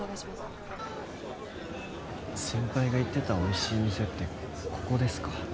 先輩が言ってたおいしい店ってここですか。